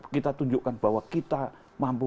kita tunjukkan bahwa kita mampu